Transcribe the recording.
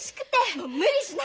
もう無理しないの！